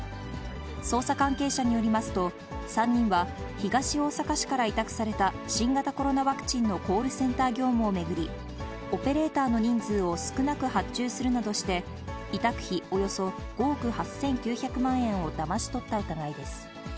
捜査関係者によりますと、３人は東大阪市から委託された新型コロナウイルスのコールセンター業務を巡り、オペレーターの人数を少なく発注するなどして、委託費およそ５億８９００万円をだまし取った疑いです。